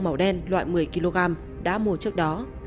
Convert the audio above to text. những túi ni lông màu đen loại một mươi kg đã mua trước đó